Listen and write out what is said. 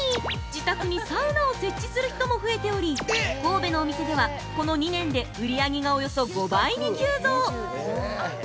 自宅にサウナを設置する人も増えており神戸のお店では、この２年で売り上げがおよそ５倍に急増！